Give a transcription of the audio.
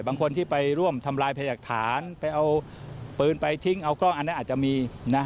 บางคนที่ไปร่วมทำลายพยากฐานไปเอาปืนไปทิ้งเอากล้องอันนั้นอาจจะมีนะ